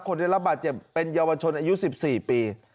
คนได้รับบาดเจ็บเป็นเยาวชนอายุ๑๔ปี